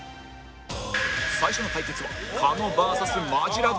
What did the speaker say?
最初の対決は